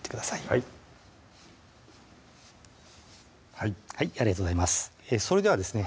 はいはいありがとうございますそれではですね